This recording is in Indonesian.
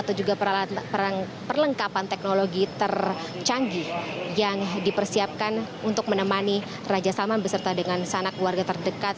dan juga perlengkapan teknologi tercanggih yang dipersiapkan untuk menemani raja salman beserta dengan sanak warga terdekat